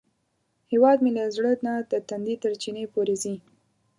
هیواد مې له زړه نه د تندي تر چینې پورې ځي